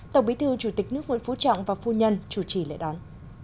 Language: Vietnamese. tổng bí thư chủ tịch nước nguyễn phú trọng và phu nhân chủ trì lễ đón